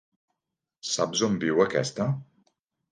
Saps on viu aquesta??